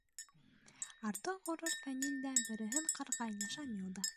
Артыҡ ғорур Фәнил дә береһен ҡырғайны, Шамил да.